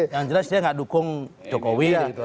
yang jelas dia nggak dukung jokowi